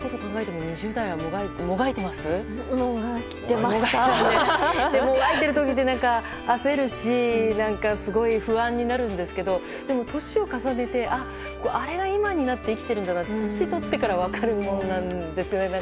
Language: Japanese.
もがいている時って何か焦るしすごい不安になるんですけど年を重ねてあれが今になって生きているんだなって年取ってから分かるものなんですよね。